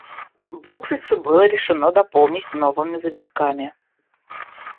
Буквицу было решено дополнить новыми завитками.